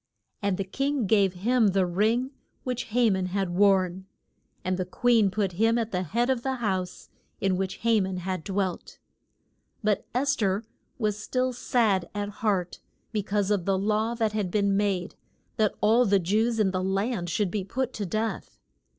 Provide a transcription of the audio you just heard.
And the king gave him the ring which Ha man had worn, and the queen put him at the head of the house in which Ha man had dwelt. But Es ther was still sad at heart be cause of the law that had been made, that all the Jews in the land should be put to death.